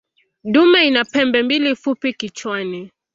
Dume ina pembe mbili fupi kichwani.